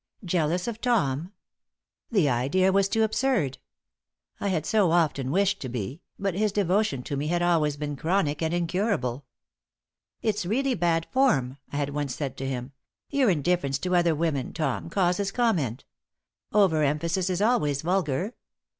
Jealous of Tom! The idea was too absurd. I had so often wished to be, but his devotion to me had always been chronic and incurable. "It's really bad form," I had once said to him; "your indifference to other women, Tom, causes comment. Overemphasis is always vulgar.